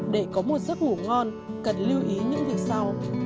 để có một giấc ngủ ngon cần lưu ý những việc sau